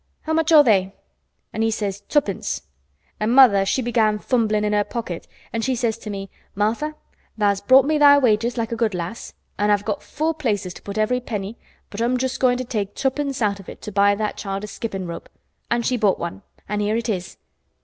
How much are they?' An' he says 'Tuppence', an' mother she began fumblin' in her pocket an' she says to me, 'Martha, tha's brought me thy wages like a good lass, an' I've got four places to put every penny, but I'm just goin' to take tuppence out of it to buy that child a skippin' rope,' an' she bought one an' here it is."